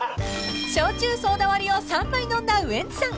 ［焼酎ソーダ割りを３杯飲んだウエンツさん］